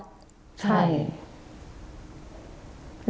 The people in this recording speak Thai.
ใช่